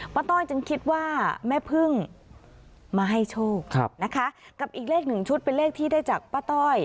ต้อยจึงคิดว่าแม่พึ่งมาให้โชคนะคะกับอีกเลขหนึ่งชุดเป็นเลขที่ได้จากป้าต้อย